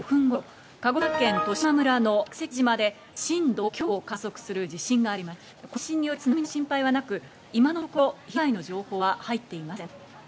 この地震による津波の心配はなく、今のところ被害の情報は入っていません。